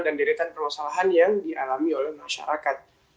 dan deretan permasalahan yang dialami oleh masyarakat